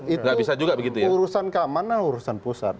itu urusan keamanan urusan pusat